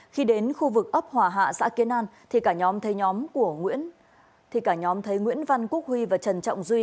khi đến khu vực ấp hòa hạ xã kiến an thì cả nhóm thấy nhóm của nguyễn văn quốc huy và trần trọng duy